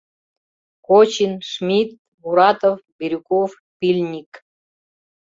Кочин, Шмидт, Муратов, Бирюков, Пильник».